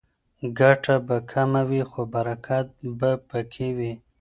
ګټه به کمه وي خو برکت به پکې وي.